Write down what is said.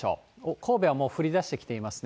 神戸はもう降りだしてきていますね。